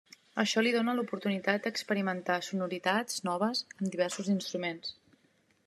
Això li dóna l'oportunitat d'experimentar sonoritats noves amb diversos instruments.